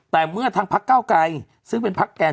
แต่เมื่อทางพักเก้าไกรซึ่งเป็นพักแกน